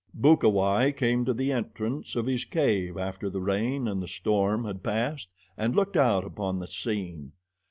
Bukawai came to the entrance of his cave after the rain and the storm had passed and looked out upon the scene.